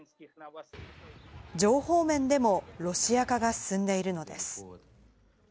情報面でもロシア化が進んでいるのです。